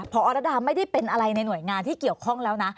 พอรดาไม่ได้เป็นอะไรในหน่วยงานที่เกี่ยวข้องแล้วนะ